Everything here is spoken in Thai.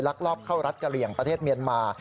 ลอบเข้ารัฐกะเหลี่ยงประเทศเมียนมา